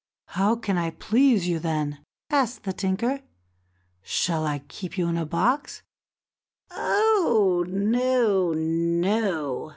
"How can I please you, then?" asked the tinker. "Shall I keep you in a box?" "Oh! no, no!"